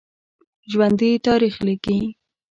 ژوندي تاریخ لیکي